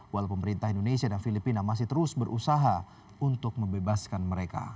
walau pemerintah indonesia dan filipina masih terus berusaha untuk membebaskan mereka